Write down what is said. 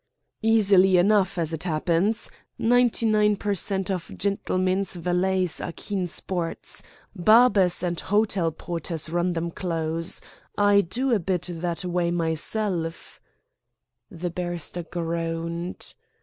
"Easily enough, as it happened. Ninety nine per cent. of gentlemen's valets are keen sports. Barbers and hotel porters run them close. I do a bit that way myself " The barrister groaned.